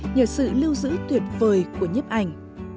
nhờ sự lưu giữ tuyệt vời của nhếp ảnh